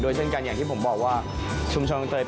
ด้วยเช่นกันอย่างที่ผมบอกว่าชุมชนคล่องเตย